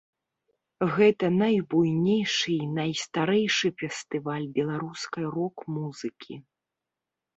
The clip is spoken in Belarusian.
Гэта найбуйнейшы і найстарэйшы фестываль беларускай рок-музыкі.